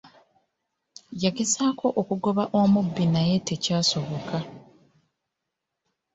Yagezaako okugoba omubbi naye tekyasoboka.